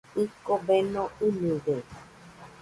Jɨko beno ɨnɨde.